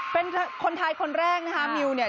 เป็นคนไทยคนแรกนะคะมิวเนี่ย